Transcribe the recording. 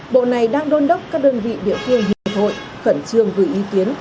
bộ này đang đôn đốc các đơn vị địa phương hiệp hội khẩn trương gửi ý kiến